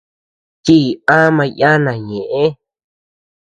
Chii ama yana ñëʼe.